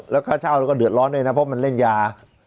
แล้วค่าเช่าเราก็เดือดร้อนด้วยนะเพราะมันเล่นยา